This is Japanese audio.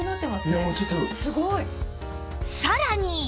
さらに